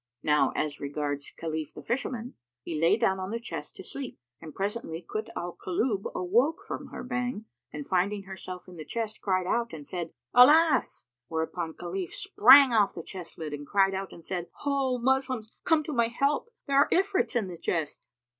Now as regards Khalif the Fisherman; he lay down on the chest to sleep, and presently Kut al Kulub awoke from her Bhang and finding herself in the chest, cried out and said, "Alas!" Whereupon Khalif sprang off the chest lid and cried out and said, "Ho, Moslems! Come to my help! There are Ifrits in the chest."